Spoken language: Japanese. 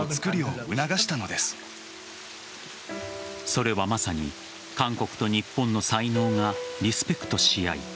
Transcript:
それはまさに韓国と日本の才能がリスペクトし合い